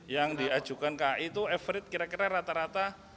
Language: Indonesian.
yang diajukan kai itu average kira kira rata rata